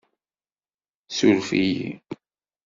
Ssuref-iyi.